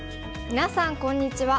みなさんこんにちは。